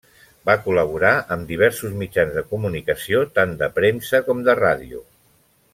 Va col·laborar amb diversos mitjans de comunicació, tant de premsa com de ràdio.